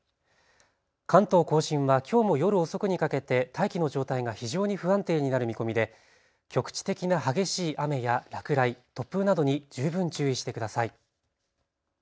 関東甲信はきょうも夜遅くにかけて大気の状態が非常に不安定になる見込みで局地的な激しい雨や落雷、突風などに十分注意してください。